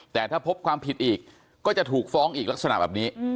แต่ถ้าพบความผิดอีกก็จะถูกฟ้องอีกลักษณะแบบนี้